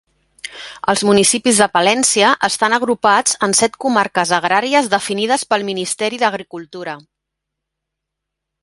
Els municipis de Palència estan agrupats en set comarques agràries definides pel Ministeri d'Agricultura.